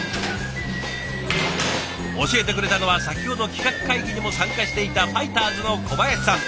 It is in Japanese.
教えてくれたのは先ほど企画会議にも参加していたファイターズの小林さん。